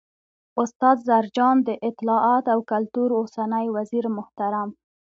، استاد زرجان، د اطلاعات او کلتور اوسنی وزیرمحترم